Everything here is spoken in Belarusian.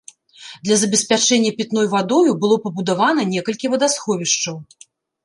Для забеспячэння пітной вадою было пабудавана некалькі вадасховішчаў.